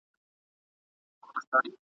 ذهن چي صفا وي خیالات به صفا وي !.